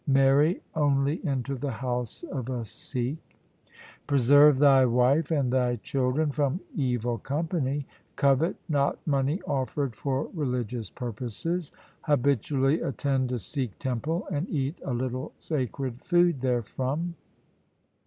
Marry only into the house of a Sikh. Pre serve thy wife and thy children from evil company. Covet not money offered for religious purposes. Habitually attend a Sikh temple and eat a little sacred food therefrom.